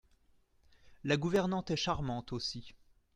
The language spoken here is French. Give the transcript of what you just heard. La gouvernante est charmante aussi.